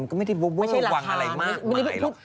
มันก็ไม่ได้เวอร์วังอะไรมากมายหรอก